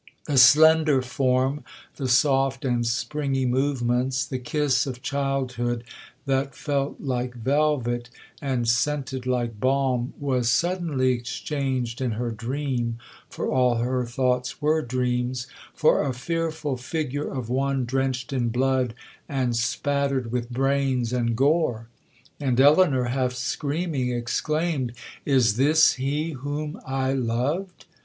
The slender form, the soft and springy movements, the kiss of childhood that felt like velvet, and scented like balm,—was suddenly exchanged in her dream (for all her thoughts were dreams) for a fearful figure of one drenched in blood, and spattered with brains and gore. And Elinor, half screaming, exclaimed, 'Is this he whom I loved?'